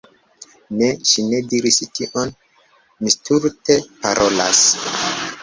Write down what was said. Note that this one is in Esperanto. Ne, ŝi ne diris tion, mi stulte parolas.